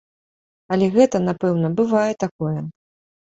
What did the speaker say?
Але гэта, напэўна, бывае такое.